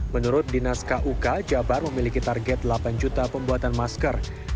menurut dinas kuk jabar memiliki target delapan juta pembuatan masker